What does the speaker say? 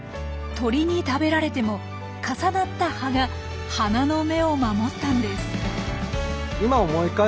鳥に食べられても重なった葉が花の芽を守ったんです。